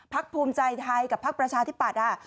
ภูมิใจไทยกับพักประชาธิปัตย์